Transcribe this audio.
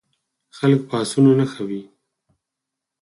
خلک په اسونو نښه وي.